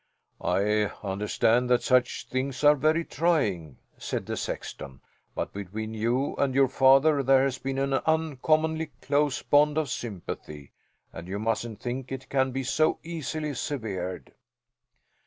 "I understand that such things are very trying," said the sexton. "But between you and your father there has been an uncommonly close bond of sympathy, and you musn't think it can be so easily severed."